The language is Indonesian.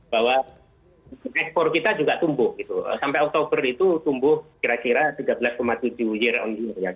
bahwa ekspor kita juga tumbuh gitu sampai oktober itu tumbuh kira kira tiga belas tujuh year on year